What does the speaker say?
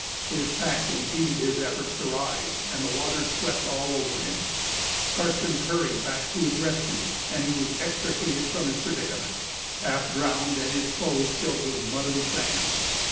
His pack impeded his efforts to rise, and the water swept all over him. Karstens hurried back to his rescue, and he was extricated from his predicament, half drowned and his clothes filled with mud and sand.